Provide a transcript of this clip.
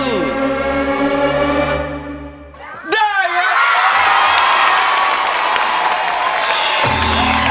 ได้อย่างนี้